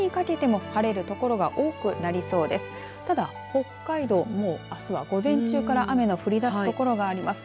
もうあすは午前中から雨の降り出す所があります。